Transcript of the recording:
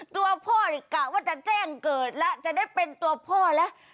ตัวพ่อนี่กะว่าจะแจ้งเกิดแล้วจะได้เป็นตัวพ่อแล้ว